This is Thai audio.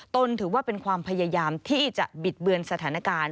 ตนถือว่าเป็นความพยายามที่จะบิดเบือนสถานการณ์